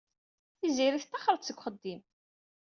Tiziri tettaxer-d seg uxeddim.